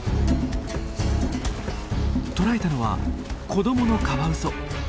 捕らえたのは子どものカワウソ！